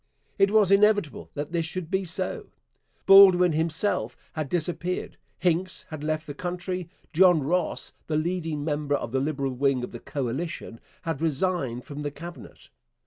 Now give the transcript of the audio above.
It was inevitable that this should be so. Baldwin himself had disappeared. Hincks had left the country. John Ross, the leading member of the Liberal wing of the coalition, had resigned from the Cabinet.